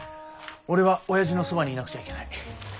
俺はおやじのそばにいなくちゃいけない。